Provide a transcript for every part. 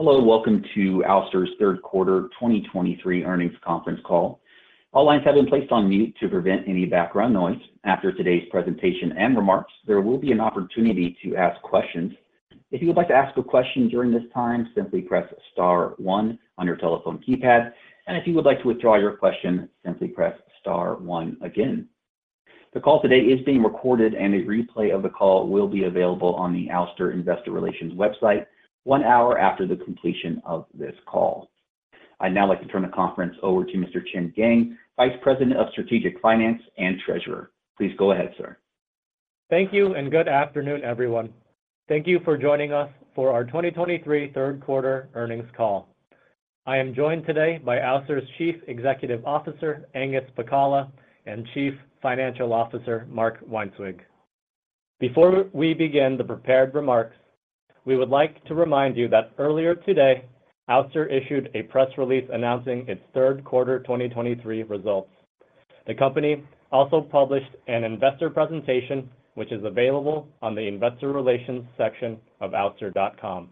Hello, welcome to Ouster's third quarter 2023 earnings conference call. All lines have been placed on mute to prevent any background noise. After today's presentation and remarks, there will be an opportunity to ask questions. If you would like to ask a question during this time, simply press star one on your telephone keypad, and if you would like to withdraw your question, simply press star one again. The call today is being recorded, and a replay of the call will be available on the Ouster Investor Relations website one hour after the completion of this call. I'd now like to turn the conference over to Mr. Chen Geng, Vice President of Strategic Finance and Treasurer. Please go ahead, sir. Thank you, and good afternoon, everyone. Thank you for joining us for our 2023 third quarter earnings call. I am joined today by Ouster's Chief Executive Officer, Angus Pacala, and Chief Financial Officer, Mark Weinswig. Before we begin the prepared remarks, we would like to remind you that earlier today, Ouster issued a press release announcing its third quarter 2023 results. The company also published an investor presentation, which is available on the investor relations section of ouster.com.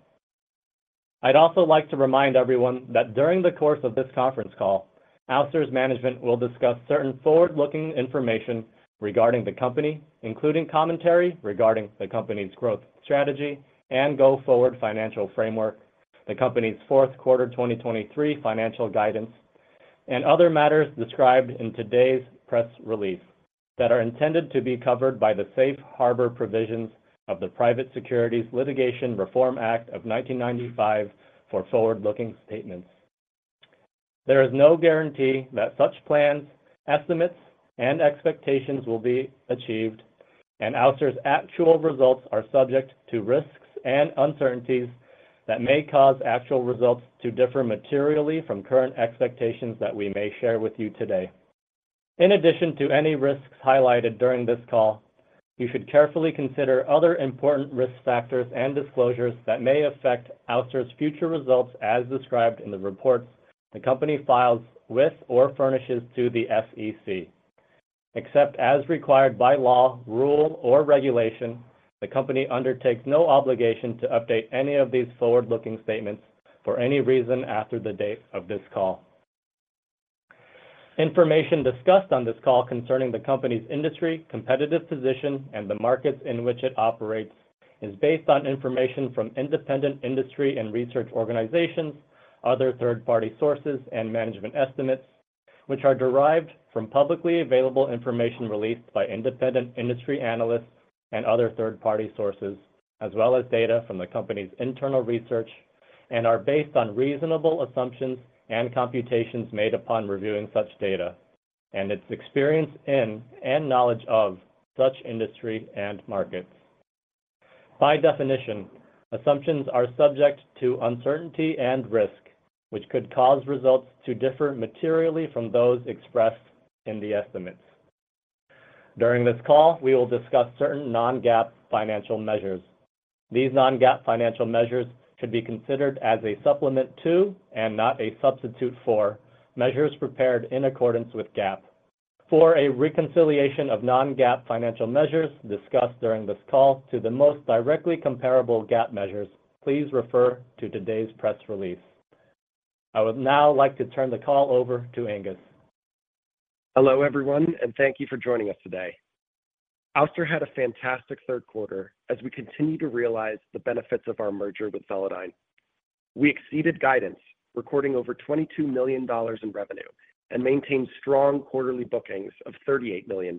I'd also like to remind everyone that during the course of this conference call, Ouster's management will discuss certain forward-looking information regarding the company, including commentary regarding the company's growth strategy and go-forward financial framework, the company's fourth quarter 2023 financial guidance, and other matters described in today's press release that are intended to be covered by the safe harbor provisions of the Private Securities Litigation Reform Act of 1995 for forward-looking statements. There is no guarantee that such plans, estimates, and expectations will be achieved, and Ouster's actual results are subject to risks and uncertainties that may cause actual results to differ materially from current expectations that we may share with you today. In addition to any risks highlighted during this call, you should carefully consider other important risk factors and disclosures that may affect Ouster's future results as described in the reports the company files with or furnishes to the SEC. Except as required by law, rule, or regulation, the company undertakes no obligation to update any of these forward-looking statements for any reason after the date of this call. Information discussed on this call concerning the company's industry, competitive position, and the markets in which it operates, is based on information from independent industry and research organizations, other third-party sources, and management estimates, which are derived from publicly available information released by independent industry analysts and other third-party sources, as well as data from the company's internal research, and are based on reasonable assumptions and computations made upon reviewing such data and its experience in and knowledge of such industry and markets. By definition, assumptions are subject to uncertainty and risk, which could cause results to differ materially from those expressed in the estimates. During this call, we will discuss certain non-GAAP financial measures. These non-GAAP financial measures should be considered as a supplement to, and not a substitute for, measures prepared in accordance with GAAP. For a reconciliation of non-GAAP financial measures discussed during this call to the most directly comparable GAAP measures, please refer to today's press release. I would now like to turn the call over to Angus. Hello, everyone, and thank you for joining us today. Ouster had a fantastic third quarter as we continue to realize the benefits of our merger with Velodyne. We exceeded guidance, recording over $22 million in revenue and maintained strong quarterly bookings of $38 million.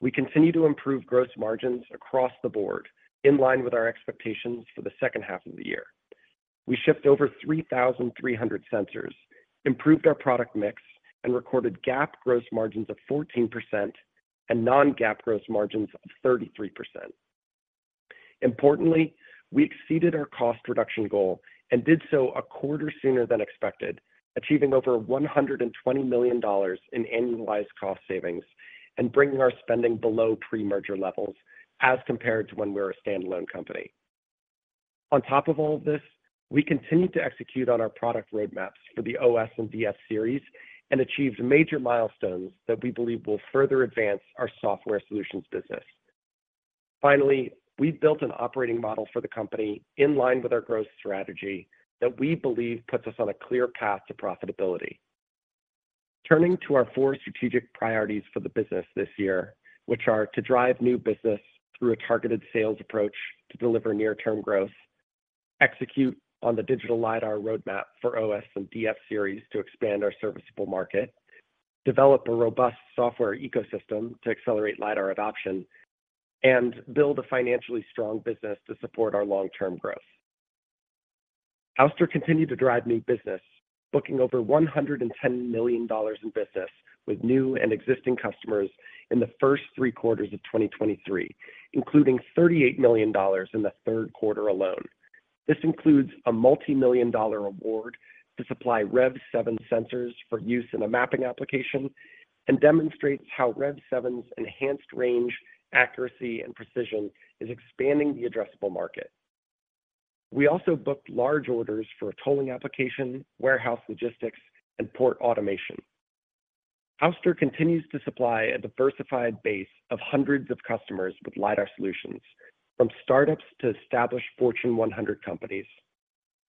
We continue to improve gross margins across the board, in line with our expectations for the second half of the year. We shipped over 3,300 sensors, improved our product mix, and recorded GAAP gross margins of 14% and non-GAAP gross margins of 33%. Importantly, we exceeded our cost reduction goal and did so a quarter sooner than expected, achieving over $120 million in annualized cost savings and bringing our spending below pre-merger levels as compared to when we were a standalone company. On top of all this, we continued to execute on our product roadmaps for the OS and DF series and achieved major milestones that we believe will further advance our software solutions business. Finally, we've built an operating model for the company in line with our growth strategy that we believe puts us on a clear path to profitability. Turning to our four strategic priorities for the business this year, which are: to drive new business through a targeted sales approach to deliver near-term growth, execute on the digital lidar roadmap for OS and DF series to expand our serviceable market, develop a robust software ecosystem to accelerate lidar adoption, and build a financially strong business to support our long-term growth. Ouster continued to drive new business, booking over $110 million in business with new and existing customers in the first three quarters of 2023, including $38 million in the third quarter alone. This includes a multimillion-dollar award to supply REV7 sensors for use in a mapping application and demonstrates how REV7's enhanced range, accuracy, and precision is expanding the addressable market. We also booked large orders for a tolling application, warehouse logistics, and port automation.... Ouster continues to supply a diversified base of hundreds of customers with lidar solutions, from startups to established Fortune 100 companies.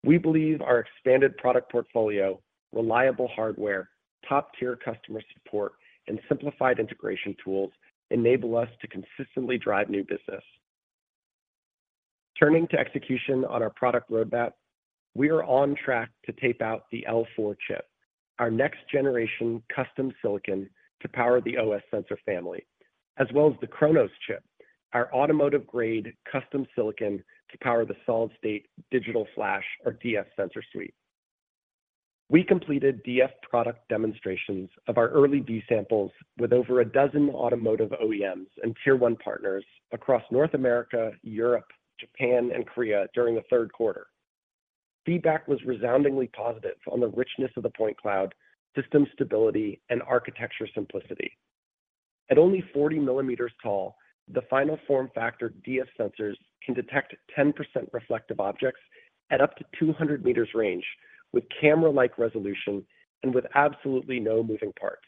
We believe our expanded product portfolio, reliable hardware, top-tier customer support, and simplified integration tools enable us to consistently drive new business. Turning to execution on our product roadmap, we are on track to tape out the L4 chip, our next generation custom silicon, to power the OS sensor family, as well as the Chronos chip, our automotive-grade custom silicon to power the solid-state digital flash, or DF sensor suite. We completed DF product demonstrations of our early D samples with over a dozen automotive OEMs and Tier 1 partners across North America, Europe, Japan, and Korea during the third quarter. Feedback was resoundingly positive on the richness of the point cloud, system stability, and architecture simplicity. At only 40 mm tall, the final form factor DF sensors can detect 10% reflective objects at up to 200 m range, with camera-like resolution and with absolutely no moving parts.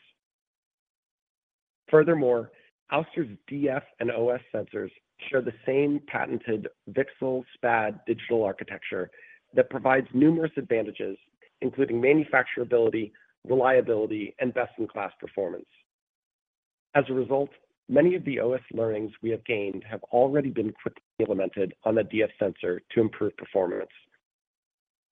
Furthermore, Ouster's DF and OS sensors share the same patented VCSEL SPAD digital architecture that provides numerous advantages, including manufacturability, reliability, and best-in-class performance. As a result, many of the OS learnings we have gained have already been quickly implemented on the DF sensor to improve performance.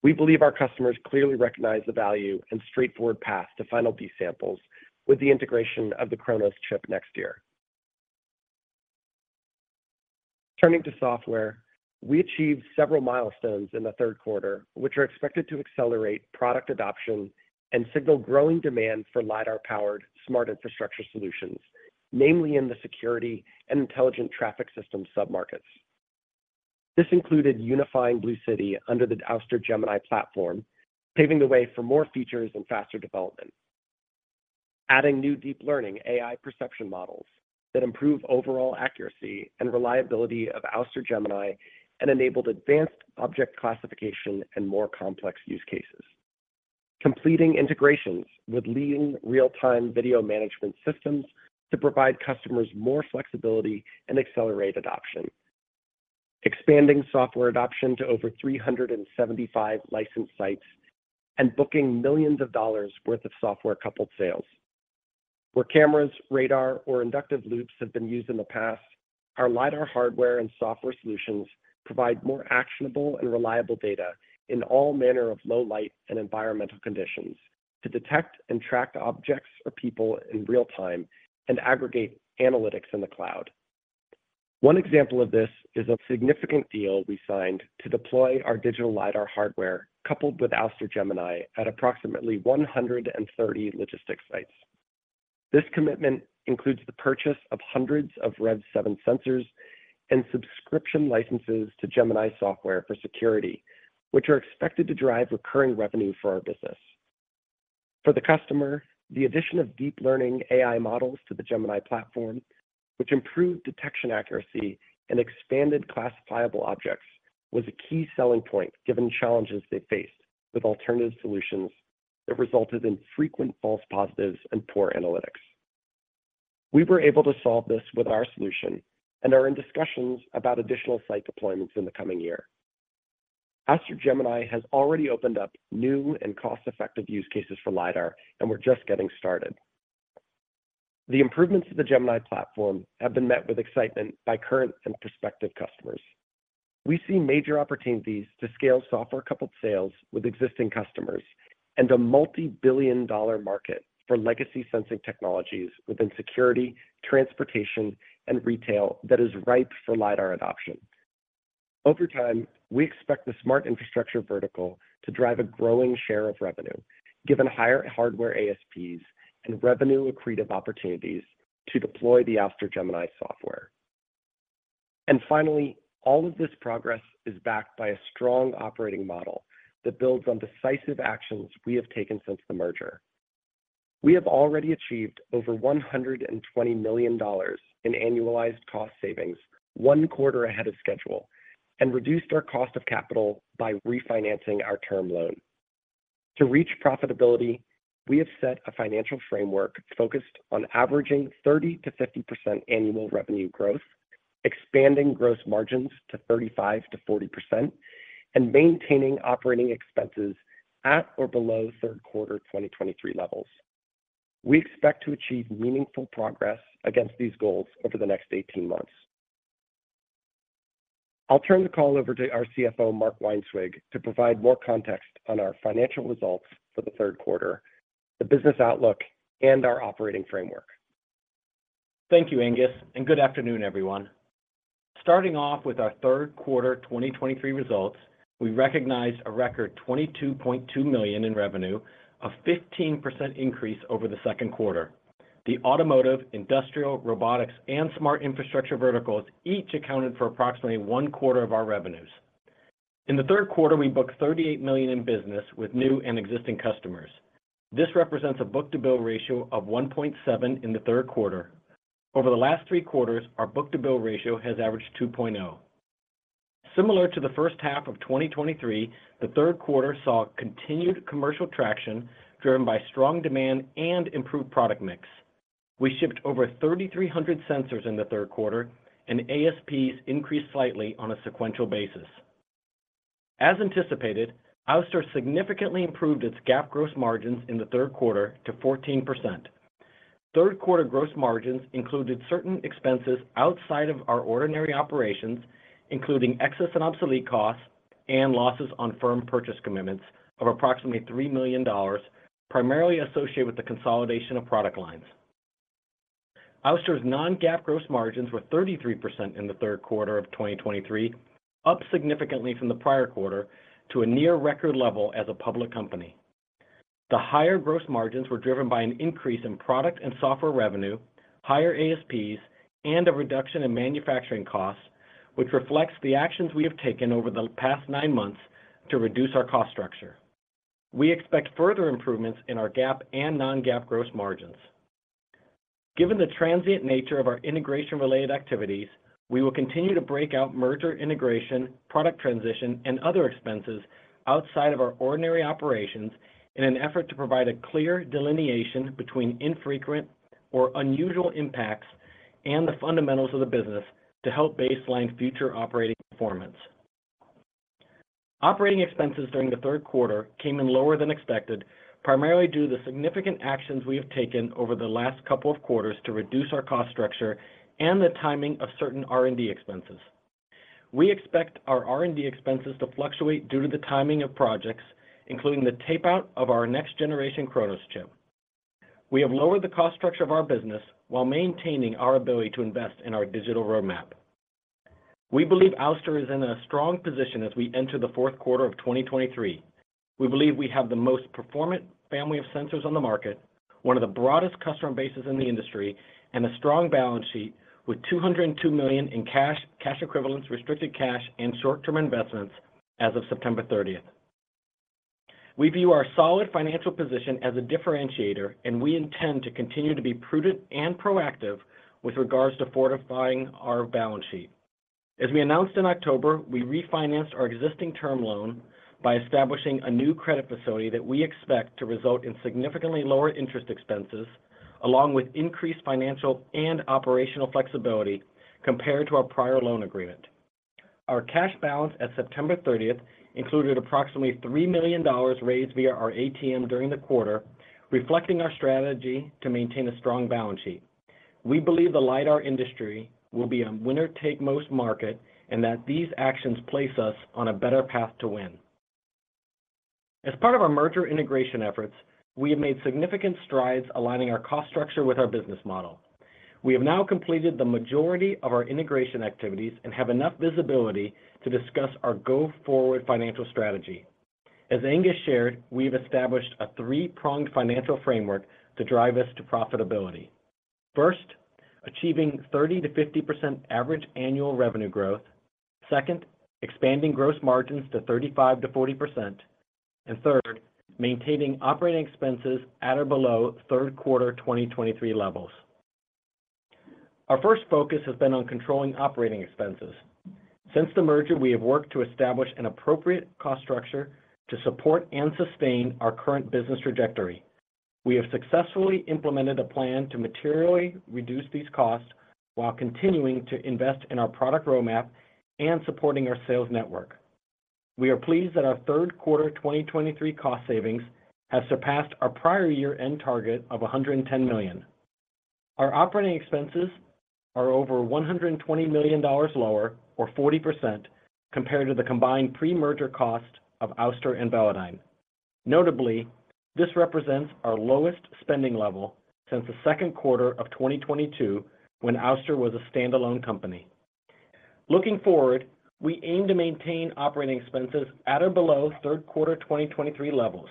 We believe our customers clearly recognize the value and straightforward path to final D samples with the integration of the Chronos chip next year. Turning to software, we achieved several milestones in the third quarter, which are expected to accelerate product adoption and signal growing demand for lidar-powered smart infrastructure solutions, namely in the security and intelligent traffic system sub-markets. This included unifying BlueCity under the Ouster Gemini platform, paving the way for more features and faster development. Adding new deep learning AI perception models that improve overall accuracy and reliability of Ouster Gemini and enabled advanced object classification and more complex use cases. Completing integrations with leading real-time video management systems to provide customers more flexibility and accelerate adoption. Expanding software adoption to over 375 licensed sites and booking million of dollars worth of software-coupled sales. Where cameras, radar, or inductive loops have been used in the past, our lidar hardware and software solutions provide more actionable and reliable data in all manner of low light and environmental conditions to detect and track objects or people in real time and aggregate analytics in the cloud. One example of this is a significant deal we signed to deploy our digital lidar hardware, coupled with Ouster Gemini, at approximately 130 logistics sites. This commitment includes the purchase of hundreds of REV7 sensors and subscription licenses to Gemini software for security, which are expected to drive recurring revenue for our business. For the customer, the addition of deep learning AI models to the Gemini platform, which improved detection accuracy and expanded classifiable objects, was a key selling point, given challenges they faced with alternative solutions that resulted in frequent false positives and poor analytics. We were able to solve this with our solution and are in discussions about additional site deployments in the coming year. Ouster Gemini has already opened up new and cost-effective use cases for lidar, and we're just getting started. The improvements to the Gemini platform have been met with excitement by current and prospective customers. We see major opportunities to scale software-coupled sales with existing customers and a multi-billion-dollar market for legacy sensing technologies within security, transportation, and retail that is ripe for lidar adoption. Over time, we expect the smart infrastructure vertical to drive a growing share of revenue, given higher hardware ASPs and revenue accretive opportunities to deploy the Ouster Gemini software. Finally, all of this progress is backed by a strong operating model that builds on decisive actions we have taken since the merger. We have already achieved over $120 million in annualized cost savings, one quarter ahead of schedule, and reduced our cost of capital by refinancing our term loan. To reach profitability, we have set a financial framework focused on averaging 30%-50% annual revenue growth, expanding gross margins to 35%-40%, and maintaining operating expenses at or below third quarter 2023 levels. We expect to achieve meaningful progress against these goals over the next 18 months. I'll turn the call over to our CFO, Mark Weinswig, to provide more context on our financial results for the third quarter, the business outlook, and our operating framework. Thank you, Angus, and good afternoon, everyone. Starting off with our third quarter 2023 results, we recognized a record $22.2 million in revenue, a 15% increase over the second quarter. The automotive, industrial, robotics, and smart infrastructure verticals each accounted for approximately one quarter of our revenues. In the third quarter, we booked $38 million in business with new and existing customers. This represents a book-to-bill ratio of 1.7 in the third quarter. Over the last three quarters, our book-to-bill ratio has averaged 2.0.... Similar to the first half of 2023, the third quarter saw continued commercial traction, driven by strong demand and improved product mix. We shipped over 3,300 sensors in the third quarter, and ASPs increased slightly on a sequential basis. As anticipated, Ouster significantly improved its GAAP gross margins in the third quarter to 14%. Third quarter gross margins included certain expenses outside of our ordinary operations, including excess and obsolete costs and losses on firm purchase commitments of approximately $3 million, primarily associated with the consolidation of product lines. Ouster's non-GAAP gross margins were 33% in the third quarter of 2023, up significantly from the prior quarter to a near record level as a public company. The higher gross margins were driven by an increase in product and software revenue, higher ASPs, and a reduction in manufacturing costs, which reflects the actions we have taken over the past 9 months to reduce our cost structure. We expect further improvements in our GAAP and non-GAAP gross margins. Given the transient nature of our integration-related activities, we will continue to break out merger integration, product transition, and other expenses outside of our ordinary operations in an effort to provide a clear delineation between infrequent or unusual impacts and the fundamentals of the business to help baseline future operating performance. Operating expenses during the third quarter came in lower than expected, primarily due to the significant actions we have taken over the last couple of quarters to reduce our cost structure and the timing of certain R&D expenses. We expect our R&D expenses to fluctuate due to the timing of projects, including the tape-out of our next generation Chronos chip. We have lowered the cost structure of our business while maintaining our ability to invest in our digital roadmap. We believe Ouster is in a strong position as we enter the fourth quarter of 2023. We believe we have the most performant family of sensors on the market, one of the broadest customer bases in the industry, and a strong balance sheet with $202 million in cash, cash equivalents, restricted cash, and short-term investments as of September 30th. We view our solid financial position as a differentiator, and we intend to continue to be prudent and proactive with regards to fortifying our balance sheet. As we announced in October, we refinanced our existing term loan by establishing a new credit facility that we expect to result in significantly lower interest expenses, along with increased financial and operational flexibility compared to our prior loan agreement. Our cash balance at September 30th included approximately $3 million raised via our ATM during the quarter, reflecting our strategy to maintain a strong balance sheet. We believe the lidar industry will be a winner-take-most market and that these actions place us on a better path to win. As part of our merger integration efforts, we have made significant strides aligning our cost structure with our business model. We have now completed the majority of our integration activities and have enough visibility to discuss our go-forward financial strategy. As Angus shared, we've established a three-pronged financial framework to drive us to profitability. First, achieving 30%-50% average annual revenue growth. Second, expanding gross margins to 35%-40%. And third, maintaining operating expenses at or below third quarter 2023 levels. Our first focus has been on controlling operating expenses. Since the merger, we have worked to establish an appropriate cost structure to support and sustain our current business trajectory. We have successfully implemented a plan to materially reduce these costs while continuing to invest in our product roadmap and supporting our sales network. We are pleased that our third quarter 2023 cost savings has surpassed our prior year-end target of $110 million. Our operating expenses are over $120 million lower or 40%, compared to the combined pre-merger cost of Ouster and Velodyne. Notably, this represents our lowest spending level since the second quarter of 2022, when Ouster was a standalone company. Looking forward, we aim to maintain operating expenses at or below third quarter 2023 levels.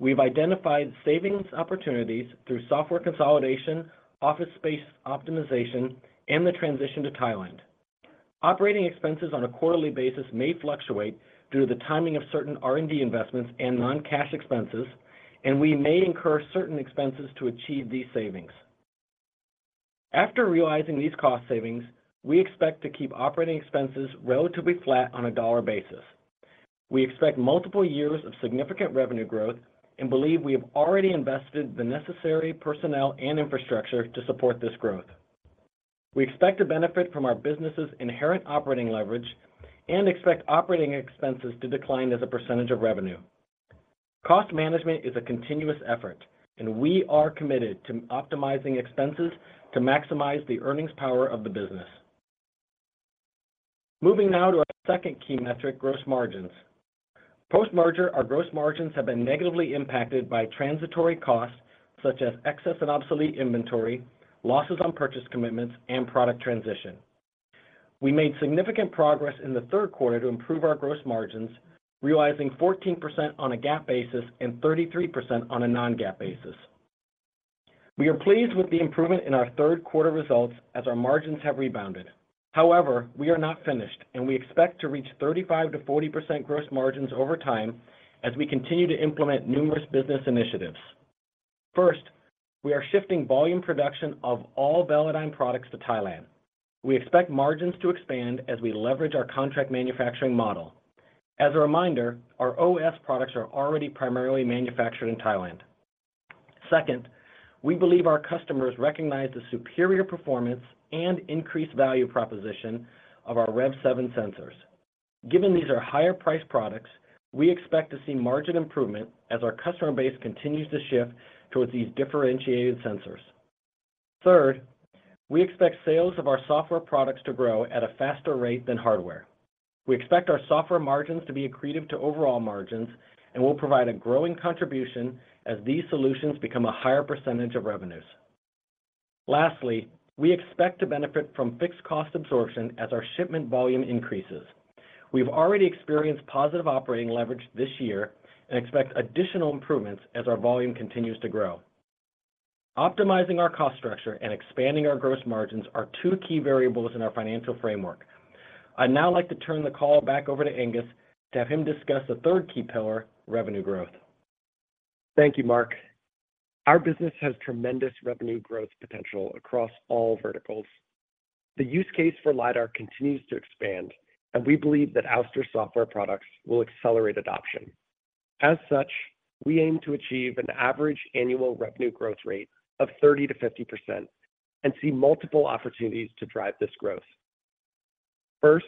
We've identified savings opportunities through software consolidation, office space optimization, and the transition to Thailand. Operating expenses on a quarterly basis may fluctuate due to the timing of certain R&D investments and non-cash expenses, and we may incur certain expenses to achieve these savings. After realizing these cost savings, we expect to keep operating expenses relatively flat on a dollar basis. We expect multiple years of significant revenue growth and believe we have already invested the necessary personnel and infrastructure to support this growth. We expect to benefit from our business's inherent operating leverage and expect operating expenses to decline as a percentage of revenue. Cost management is a continuous effort, and we are committed to optimizing expenses to maximize the earnings power of the business. Moving now to our second key metric, gross margins. Post-merger, our gross margins have been negatively impacted by transitory costs such as excess and obsolete inventory, losses on purchase commitments, and product transition. We made significant progress in the third quarter to improve our gross margins, realizing 14% on a GAAP basis and 33% on a non-GAAP basis. We are pleased with the improvement in our third quarter results as our margins have rebounded. However, we are not finished, and we expect to reach 35%-40% gross margins over time as we continue to implement numerous business initiatives. First, we are shifting volume production of all Velodyne products to Thailand. We expect margins to expand as we leverage our contract manufacturing model. As a reminder, our OS products are already primarily manufactured in Thailand. Second, we believe our customers recognize the superior performance and increased value proposition of our REV7 sensors. Given these are higher-priced products, we expect to see margin improvement as our customer base continues to shift towards these differentiated sensors. Third, we expect sales of our software products to grow at a faster rate than hardware. We expect our software margins to be accretive to overall margins and will provide a growing contribution as these solutions become a higher percentage of revenues. Lastly, we expect to benefit from fixed cost absorption as our shipment volume increases. We've already experienced positive operating leverage this year and expect additional improvements as our volume continues to grow. Optimizing our cost structure and expanding our gross margins are two key variables in our financial framework. I'd now like to turn the call back over to Angus to have him discuss the third key pillar, revenue growth. Thank you, Mark. Our business has tremendous revenue growth potential across all verticals. The use case for lidar continues to expand, and we believe that Ouster's software products will accelerate adoption. As such, we aim to achieve an average annual revenue growth rate of 30%-50% and see multiple opportunities to drive this growth. First,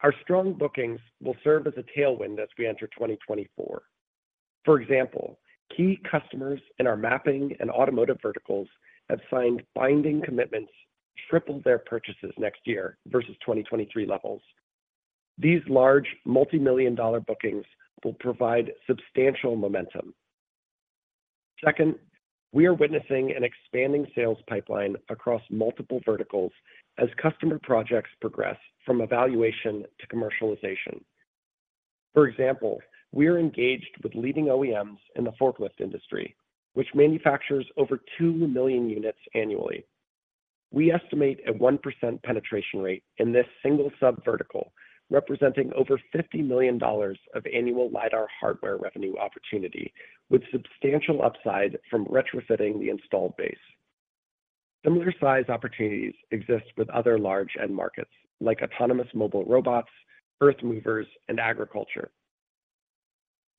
our strong bookings will serve as a tailwind as we enter 2024. For example, key customers in our mapping and automotive verticals have signed binding commitments to triple their purchases next year versus 2023 levels. These large multimillion-dollar bookings will provide substantial momentum. Second, we are witnessing an expanding sales pipeline across multiple verticals as customer projects progress from evaluation to commercialization. For example, we are engaged with leading OEMs in the forklift industry, which manufactures over 2 million units annually. We estimate a 1% penetration rate in this single sub-vertical, representing over $50 million of annual lidar hardware revenue opportunity, with substantial upside from retrofitting the installed base. Similar size opportunities exist with other large end markets, like autonomous mobile robots, earth movers, and agriculture.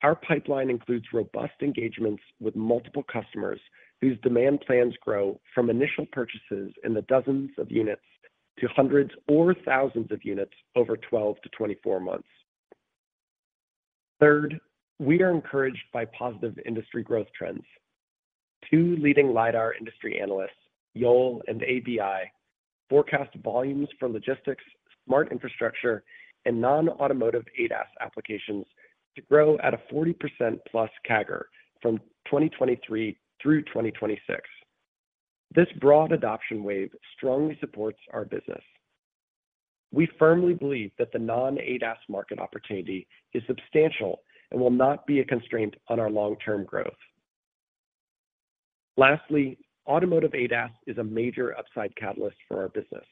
Our pipeline includes robust engagements with multiple customers whose demand plans grow from initial purchases in the dozens of units to hundreds or thousands of units over 12 to 24 months. Third, we are encouraged by positive industry growth trends. Two leading lidar industry analysts, Yole and ABI, forecast volumes for logistics, smart infrastructure, and non-automotive ADAS applications to grow at a 40%+ CAGR from 2023 through 2026. This broad adoption wave strongly supports our business. We firmly believe that the non-ADAS market opportunity is substantial and will not be a constraint on our long-term growth. Lastly, automotive ADAS is a major upside catalyst for our business.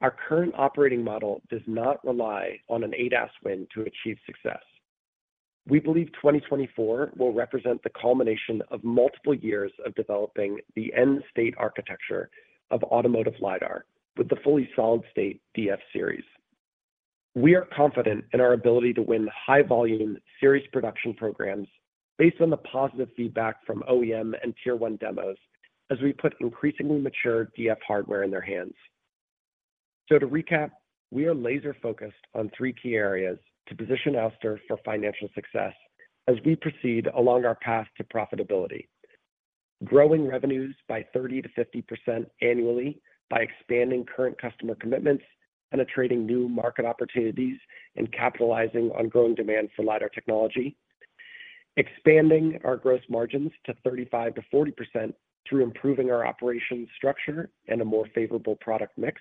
Our current operating model does not rely on an ADAS win to achieve success. We believe 2024 will represent the culmination of multiple years of developing the end-state architecture of automotive lidar with the fully solid-state DF series. We are confident in our ability to win high-volume series production programs based on the positive feedback from OEM and Tier 1 demos as we put increasingly mature DF hardware in their hands. So to recap, we are laser-focused on three key areas to position Ouster for financial success as we proceed along our path to profitability. Growing revenues by 30%-50% annually by expanding current customer commitments, penetrating new market opportunities, and capitalizing on growing demand for lidar technology. Expanding our gross margins to 35%-40% through improving our operations structure and a more favorable product mix.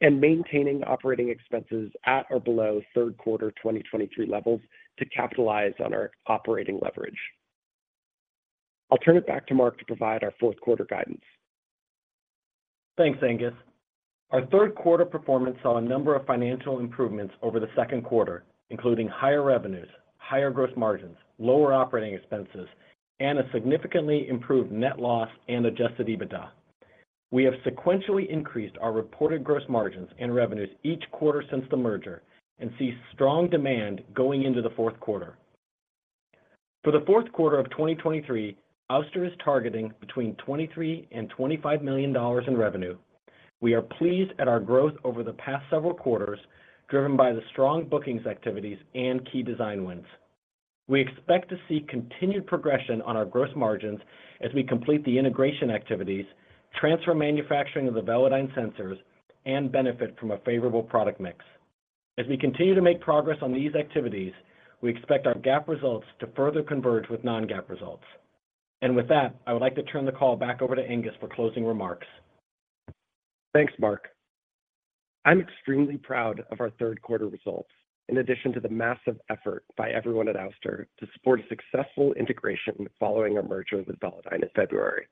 Maintaining operating expenses at or below third quarter 2023 levels to capitalize on our operating leverage. I'll turn it back to Mark to provide our fourth quarter guidance. Thanks, Angus. Our third quarter performance saw a number of financial improvements over the second quarter, including higher revenues, higher gross margins, lower operating expenses, and a significantly improved net loss and adjusted EBITDA. We have sequentially increased our reported gross margins and revenues each quarter since the merger and see strong demand going into the fourth quarter. For the fourth quarter of 2023, Ouster is targeting between $23 million and $25 million in revenue. We are pleased at our growth over the past several quarters, driven by the strong bookings activities and key design wins. We expect to see continued progression on our gross margins as we complete the integration activities, transfer manufacturing of the Velodyne sensors, and benefit from a favorable product mix. As we continue to make progress on these activities, we expect our GAAP results to further converge with non-GAAP results. With that, I would like to turn the call back over to Angus for closing remarks. Thanks, Mark. I'm extremely proud of our third quarter results, in addition to the massive effort by everyone at Ouster to support a successful integration following our merger with Velodyne in February....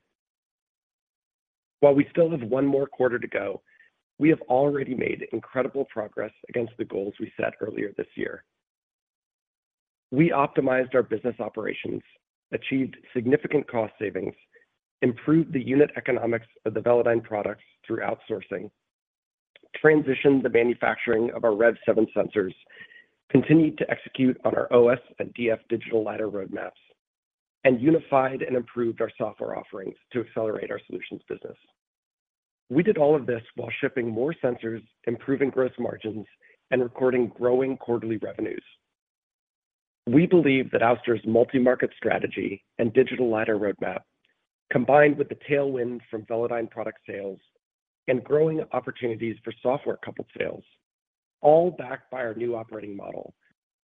While we still have one more quarter to go, we have already made incredible progress against the goals we set earlier this year. We optimized our business operations, achieved significant cost savings, improved the unit economics of the Velodyne products through outsourcing, transitioned the manufacturing of our REV7 sensors, continued to execute on our OS and DF digital lidar roadmaps, and unified and improved our software offerings to accelerate our solutions business. We did all of this while shipping more sensors, improving gross margins, and recording growing quarterly revenues. We believe that Ouster's multi-market strategy and digital lidar roadmap, combined with the tailwind from Velodyne product sales and growing opportunities for software-coupled sales, all backed by our new operating model,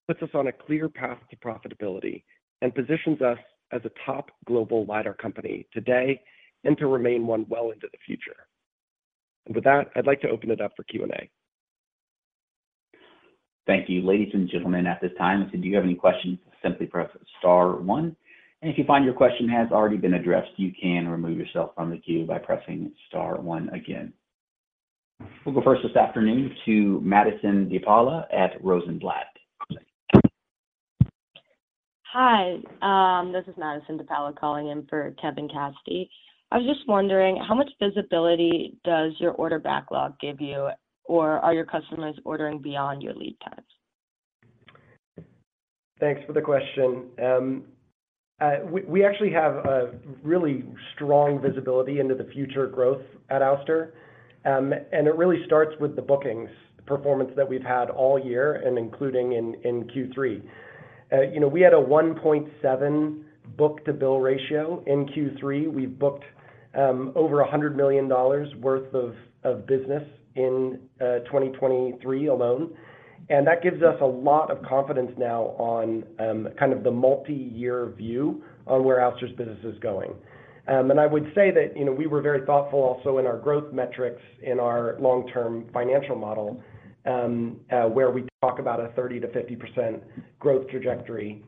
puts us on a clear path to profitability and positions us as a top global lidar company today and to remain one well into the future. And with that, I'd like to open it up for Q&A. Thank you. Ladies and gentlemen, at this time, if you have any questions, simply press star one, and if you find your question has already been addressed, you can remove yourself from the queue by pressing star one again. We'll go first this afternoon to Madison De Paola at Rosenblatt. Hi, this is Madison De Paola calling in for Kevin Cassidy. I was just wondering, how much visibility does your order backlog give you, or are your customers ordering beyond your lead times? Thanks for the question. We actually have a really strong visibility into the future growth at Ouster. It really starts with the bookings performance that we've had all year and including in Q3. You know, we had a 1.7 book-to-bill ratio in Q3. We booked over $100 million worth of business in 2023 alone, and that gives us a lot of confidence now on kind of the multi-year view on where Ouster's business is going. I would say that, you know, we were very thoughtful also in our growth metrics in our long-term financial model, where we talk about a 30%-50% growth trajectory,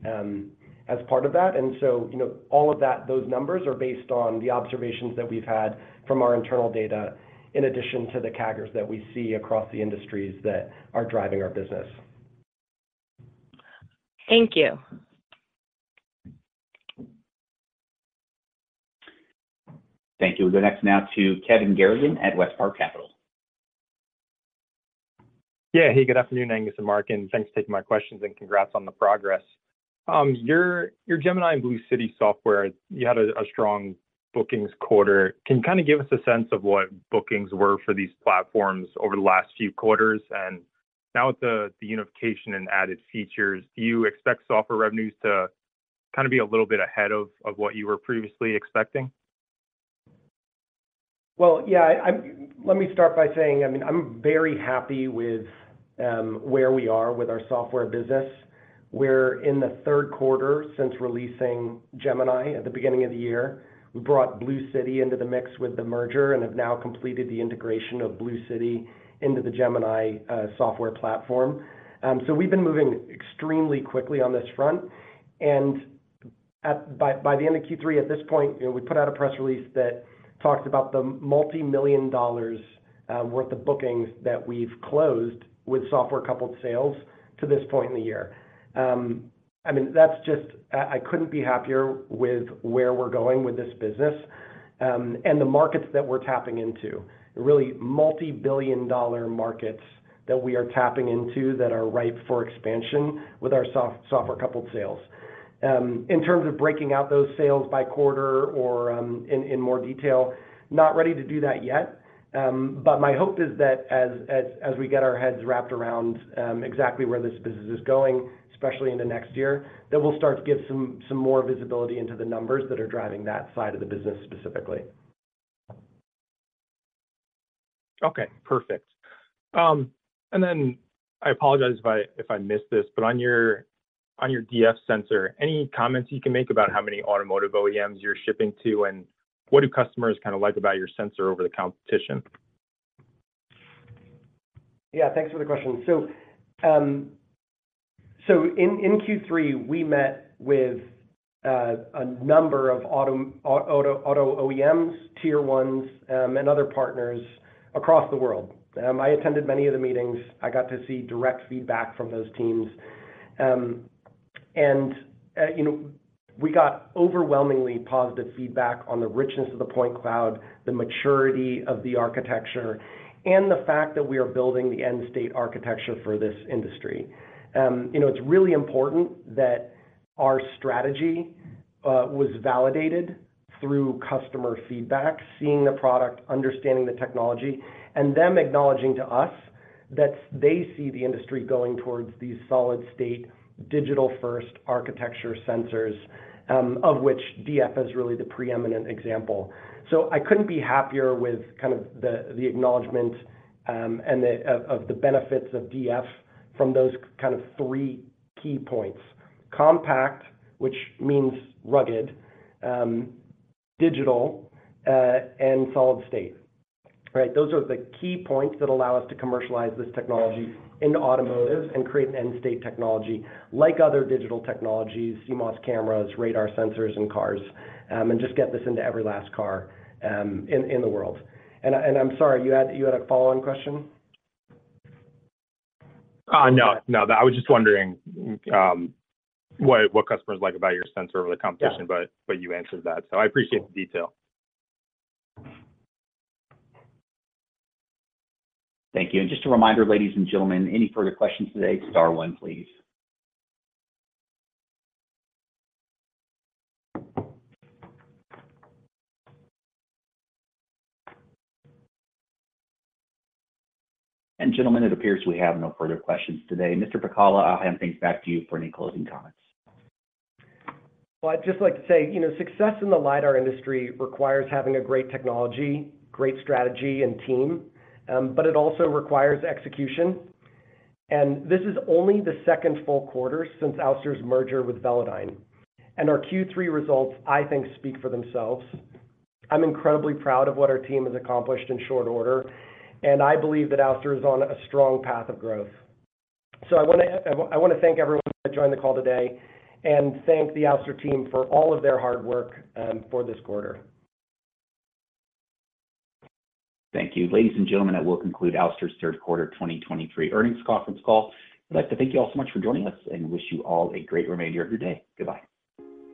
as part of that. You know, all of that, those numbers are based on the observations that we've had from our internal data in addition to the CAGRs that we see across the industries that are driving our business. Thank you. Thank you. We'll go next now to Kevin Garrigan at WestPark Capital. Yeah. Hey, good afternoon, Angus and Mark, and thanks for taking my questions, and congrats on the progress. Your Gemini and BlueCity software, you had a strong bookings quarter. Can you kind of give us a sense of what bookings were for these platforms over the last few quarters? And now with the unification and added features, do you expect software revenues to kind of be a little bit ahead of what you were previously expecting? Well, yeah, let me start by saying, I mean, I'm very happy with where we are with our software business. We're in the third quarter since releasing Gemini at the beginning of the year. We brought BlueCity into the mix with the merger and have now completed the integration of BlueCity into the Gemini software platform. So we've been moving extremely quickly on this front, and by the end of Q3, at this point, you know, we put out a press release that talked about the multi-million-dollars worth of bookings that we've closed with software-coupled sales to this point in the year. I mean, that's just... I couldn't be happier with where we're going with this business, and the markets that we're tapping into, really multi-billion-dollar markets that we are tapping into that are ripe for expansion with our software-coupled sales. In terms of breaking out those sales by quarter or in more detail, not ready to do that yet. But my hope is that as we get our heads wrapped around exactly where this business is going, especially in the next year, that we'll start to give some more visibility into the numbers that are driving that side of the business specifically. Okay, perfect. And then I apologize if I, if I missed this, but on your, on your DF sensor, any comments you can make about how many automotive OEMs you're shipping to, and what do customers kind of like about your sensor over the competition? Yeah, thanks for the question. So, in Q3, we met with a number of auto OEMs, Tier 1s, and other partners across the world. I attended many of the meetings. I got to see direct feedback from those teams. And, you know, we got overwhelmingly positive feedback on the richness of the point cloud, the maturity of the architecture, and the fact that we are building the end-state architecture for this industry. You know, it's really important that our strategy was validated through customer feedback, seeing the product, understanding the technology, and them acknowledging to us that they see the industry going towards these solid-state, digital-first architecture sensors, of which DF is really the preeminent example. So I couldn't be happier with kind of the acknowledgment, and the benefits of DF from those kind of three key points: compact, which means rugged, digital, and solid state. Right. Those are the key points that allow us to commercialize this technology into automotive and create an end-state technology like other digital technologies, CMOS cameras, radar sensors in cars, and just get this into every last car, in the world. And I'm sorry, you had a follow-on question? No, no. I was just wondering what customers like about your sensor over the competition. Yeah. But you answered that, so I appreciate the detail. Thank you. Just a reminder, ladies and gentlemen, any further questions today, star one, please. Gentlemen, it appears we have no further questions today. Mr. Pacala, I'll hand things back to you for any closing comments. Well, I'd just like to say, you know, success in the lidar industry requires having a great technology, great strategy and team, but it also requires execution, and this is only the second full quarter since Ouster's merger with Velodyne. Our Q3 results, I think, speak for themselves. I'm incredibly proud of what our team has accomplished in short order, and I believe that Ouster is on a strong path of growth. So I want to thank everyone that joined the call today and thank the Ouster team for all of their hard work for this quarter. Thank you. Ladies and gentlemen, that will conclude Ouster's third quarter 2023 earnings conference call. I'd like to thank you all so much for joining us and wish you all a great remainder of your day. Goodbye.